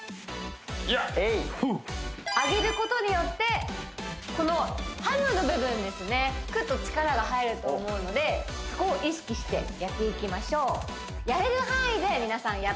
ヤッ上げることによってこのハムの部分ですねクッと力が入ると思うのでそこを意識してやっていきましょう分かりました